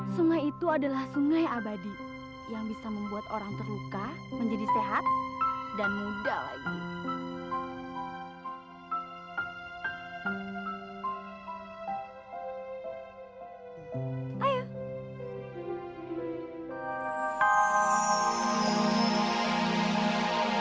sungai itu adalah sungai abadi yang bisa membuat orang terluka menjadi sehat dan muda lagi